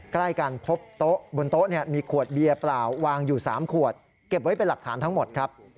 ใกล้กันพบโต๊ะบนโต๊ะมีขวดเบียร์เปล่าวางอยู่๓ขวดเก็บไว้เป็นหลักฐานทั้งหมดครับ